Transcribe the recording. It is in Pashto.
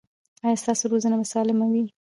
ایا ستاسو روزنه به سالمه وي؟